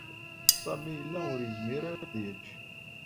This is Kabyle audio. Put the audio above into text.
Sami yella ur yezmir ara ad yečč.